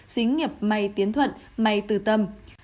xí nghiệp may tiến thuận may tư tâm